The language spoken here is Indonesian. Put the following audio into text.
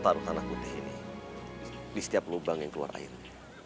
taruh tanah putih ini di setiap lubang yang keluar air